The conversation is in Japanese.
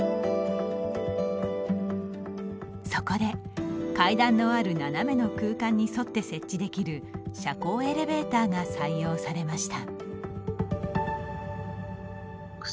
そこで、階段のある斜めの空間に沿って設置できる斜行エレベーターが採用されました。